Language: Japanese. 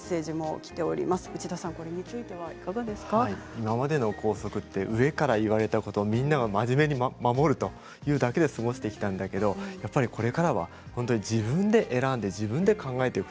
今までの校則というのは上から言われたことをみんながまじめに守るというだけで過ごしてきたんですけれどこれからは本当に自分で選んで自分で考えていく。